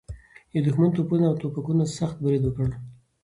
د دښمن توپونه او توپکونه سخت برید وکړ.